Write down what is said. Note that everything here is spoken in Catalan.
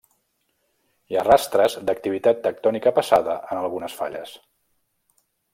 Hi ha rastres d'activitat tectònica passada en algunes falles.